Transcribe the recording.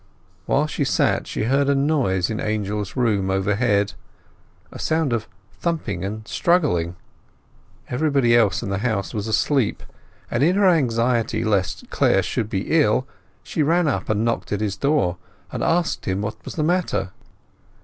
While she sat she heard a noise in Angel's room overhead, a sound of thumping and struggling. Everybody else in the house was asleep, and in her anxiety lest Clare should be ill she ran up and knocked at his door, and asked him what was the matter.